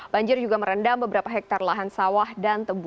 banjir juga merendam beberapa hektare lahan sawah dan tebu